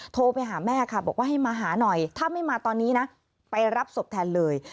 โทรไปหาแม่ค่ะบอกว่าให้มาหาหน่อยถ้าไม่มาตอนนี้นะไปรับศพแทนเลย